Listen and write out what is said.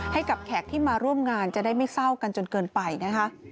แขกที่มาร่วมงานจะได้ไม่เศร้ากันจนเกินไปนะคะ